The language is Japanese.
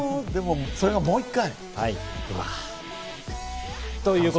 それがもう１回？